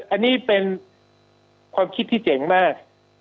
อันนี้เป็นความคิดที่เจ๋งมาก